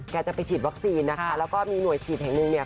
จะไปฉีดวัคซีนนะคะแล้วก็มีหน่วยฉีดแห่งหนึ่งเนี่ย